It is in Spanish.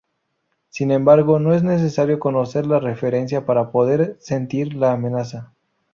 Sin embargo, no es necesario conocer la referencia para poder sentir la amenaza.